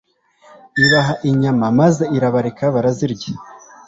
ibaha inyama maze irabareka barazirya